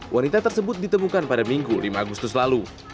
wanita tersebut ditemukan pada minggu lima agustus lalu